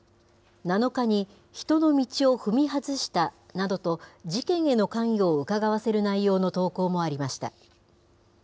７日に、人の道を踏み外したなどと事件への関与をうかがわせる内容の投稿もありました。